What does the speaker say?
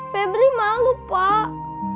febri malu pak